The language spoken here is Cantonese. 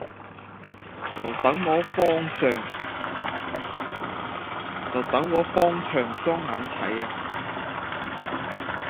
就等我放長雙眼睇